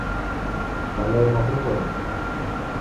Kukalemwa kunighorie